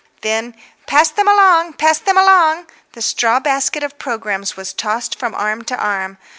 Then, "Pass them along, pass them along!" The straw basket of programmes was tossed from arm to arm.